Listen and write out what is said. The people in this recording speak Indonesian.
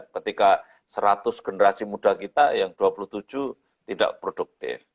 ketika seratus generasi muda kita yang dua puluh tujuh tidak produktif